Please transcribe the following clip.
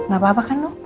gak apa apa kan noh